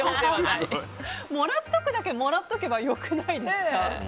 もらったらもらっておけばよくないですか？